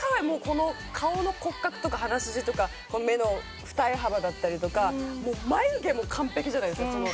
もう顔の骨格とか鼻筋とか目の二重幅だったりとかもう眉毛も完璧じゃないですか？